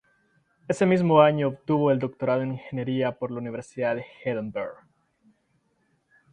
Ese mismo año obtuvo el doctorado en ingeniería por la Universidad de Heidelberg.